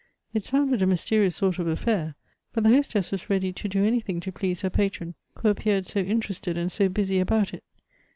It sounded a mysterious sort of affair ; but the hostess was ready to do anything to please her patron, who appeared so interested and so busy about it.